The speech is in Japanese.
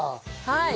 はい。